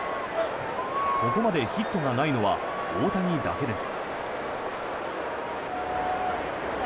ここまでヒットがないのは大谷だけです。